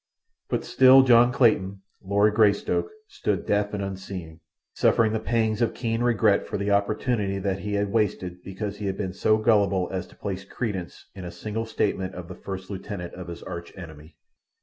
But still John Clayton, Lord Greystoke, stood deaf and unseeing, suffering the pangs of keen regret for the opportunity that he had wasted because he had been so gullible as to place credence in a single statement of the first lieutenant of his arch enemy.